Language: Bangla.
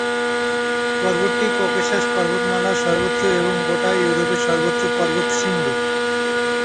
পর্বতটি ককেশাস পর্বতমালার সর্বোচ্চ এবং গোটা ইউরোপের সর্বোচ্চ পর্বতশৃঙ্গ।